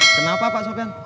kenapa pak sopyan